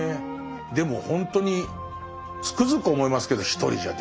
でもほんとにつくづく思いますけど一人じゃできないですもんね